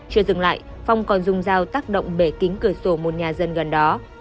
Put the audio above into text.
chưa dừng lại phong còn dùng dao tác động bể kính cửa sổ một nhà dân gần đó